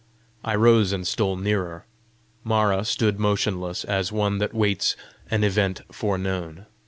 I rose and stole nearer. Mara stood motionless, as one that waits an event foreknown.